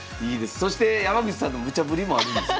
そして山口さんのムチャぶりもあるんですか？